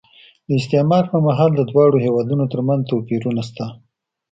د استعمار پر مهال د دواړو هېوادونو ترمنځ توپیرونه شته.